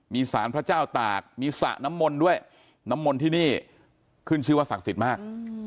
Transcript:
มีสารพระเจ้าตากมีสระน้ำมนต์ด้วยน้ำมนต์ที่นี่ขึ้นชื่อว่าศักดิ์สิทธิ์มาก